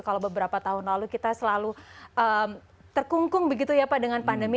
kalau beberapa tahun lalu kita selalu terkungkung begitu ya pak dengan pandemi